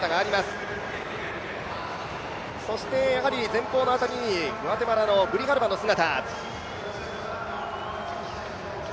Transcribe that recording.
前方の辺りにグアテマラのグリハルバの姿。